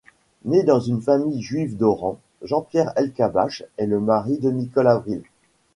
Né dans une famille juive d'Oran, Jean-Pierre Elkabbach est le mari de Nicole Avril.